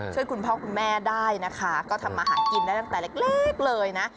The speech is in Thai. ช่วยคุณพ่อคุณแม่ได้นะคะก็ทำมาหากินได้ตั้งแต่เล็กเลยนะ